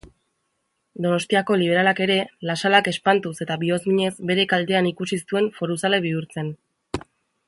Donostiako liberalak ere, Lasalak espantuz eta bihozminez bere kaltean ikusi zituen foruzale bihurtzen.